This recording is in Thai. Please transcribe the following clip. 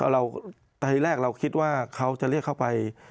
ตอนแรกเราคิดว่าเขาจะเรียกเข้าไป